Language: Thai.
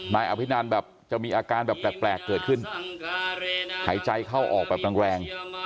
นายอภินันแบบจะมีอาการแบบแปลกเกิดขึ้นหายใจเข้าออกแบบแรง